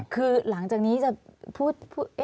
คือหลังจากนี้จะพูด